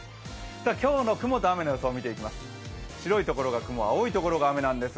今日の雲と雨の予想を見ていきます。